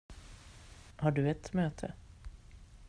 Har du ett möte?